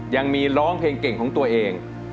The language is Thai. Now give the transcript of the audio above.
ยังมีร้องเพลงเก่งของตัวเอง